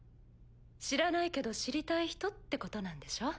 知らないけど知りたい人ってことなんでしょ？